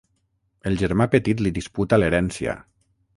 El germà petit li disputa l'herència.